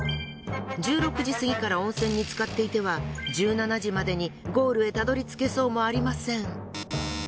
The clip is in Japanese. １６時過ぎから温泉に浸かっていては１７時までにゴールへたどりつけそうもありません。